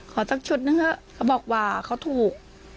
สักชุดหนึ่งเถอะเขาบอกว่าเขาถูก